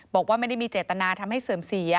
บอกว่าไม่ได้มีเจตนาทำให้เสื่อมเสีย